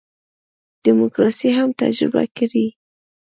دیموکراسي هم تجربه کړي.